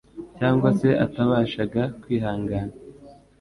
cyangwa se atabashaga kwihangana